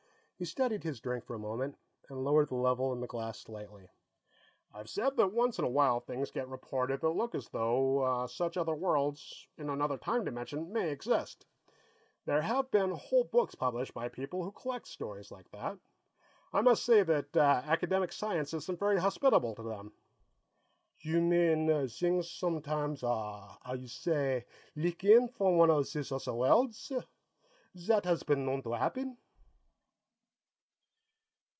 He studied his drink for a moment, and lowered the level in the glass slightly. "I've said that once in a while things get reported that look as though such other worlds, in another time dimension, may exist. There have been whole books published by people who collect stories like that. I must say that academic science isn't very hospitable to them." "You mean, zings sometimes, 'ow you say, leak in from one of zees ozzer worlds? Zat has been known to 'appen?"